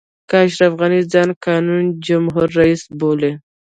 که اشرف غني ځان قانوني جمهور رئیس بولي.